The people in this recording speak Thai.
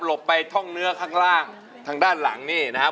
ไปท่องเนื้อข้างล่างทางด้านหลังนี่นะครับ